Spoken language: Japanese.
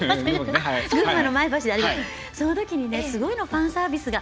そのときにすごいのファンサービスが。